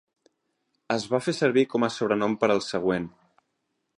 Es va fer servir com a sobrenom per al següent.